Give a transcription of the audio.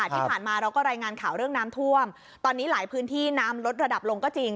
ที่ผ่านมาเราก็รายงานข่าวเรื่องน้ำท่วมตอนนี้หลายพื้นที่น้ำลดระดับลงก็จริง